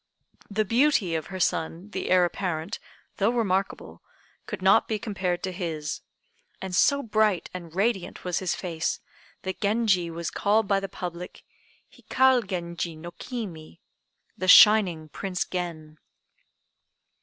The beauty of her son, the Heir apparent, though remarkable, could not be compared to his, and so bright and radiant was his face that Genji was called by the public Hikal Genji no Kimi (the shining Prince Gen).